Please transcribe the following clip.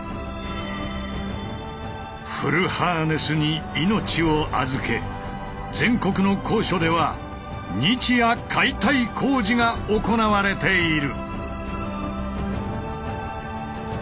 フルハーネスに命を預け全国の高所では日夜解体工事が行われている。